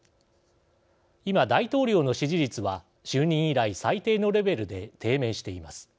今、大統領の支持率は、就任以来最低のレベルで低迷しています。